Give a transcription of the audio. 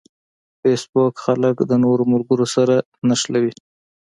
فېسبوک خلک د نوو ملګرو سره نښلوي